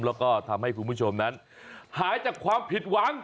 แล้วก็ทำให้คุณผู้ชมนั้นหายจากความผิดหวัง